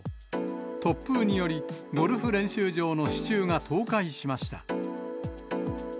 突風により、ゴルフ練習場の支柱が倒壊しました。